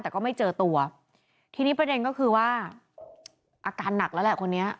แต่ก็ไม่เจอตัวทีนี้ประเด็นก็คือว่าอาการหนักแล้วแหละคนนี้